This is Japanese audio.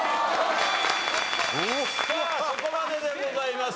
さあそこまででございます。